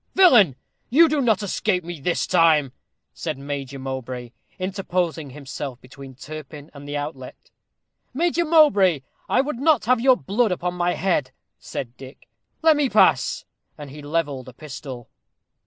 "Villain! you do not escape me this time," said Major Mowbray, interposing himself between Turpin and the outlet. "Major Mowbray, I would not have your blood upon my head," said Dick. "Let me pass," and he levelled a pistol.